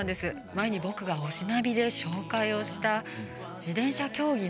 前に僕が「推しナビ！」で紹介をした自転車競技の藤田選手。